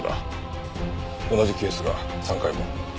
同じケースが３回も。